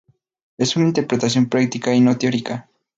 Es una interpretación práctica y no teórica.